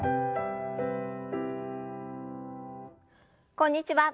こんにちは。